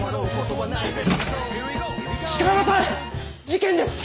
事件です！